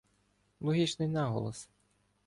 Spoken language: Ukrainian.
Логічний наголос